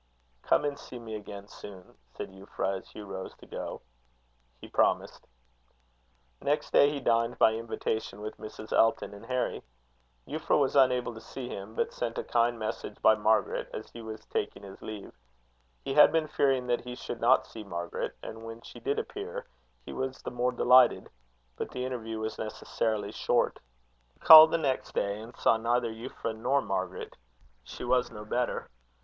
"Come and see me again soon," said Euphra, as Hugh rose to go. He promised. Next day he dined by invitation with Mrs. Elton and Harry. Euphra was unable to see him, but sent a kind message by Margaret as he was taking his leave. He had been fearing that he should not see Margaret; and when she did appear he was the more delighted; but the interview was necessarily short. He called the next day, and saw neither Euphra nor Margaret. She was no better.